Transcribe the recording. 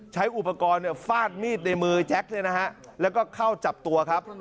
ใช้อุปกรณ์ฟาดมีดในมือแจ๊คและเข้าจับตัว